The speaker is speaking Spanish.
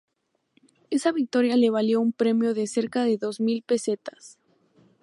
Esa victoria le valió un premio de cerca de dos mil pesetas.